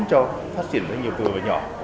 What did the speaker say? cho phát triển doanh nghiệp vừa và nhỏ